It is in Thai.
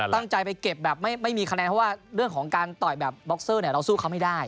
ตั้งใจไปเก็บแบบไม่มีคะแนนเพราะว่าเรื่องของการต่อยแบบบ็อกเซอร์เนี่ยเราสู้เขาไม่ได้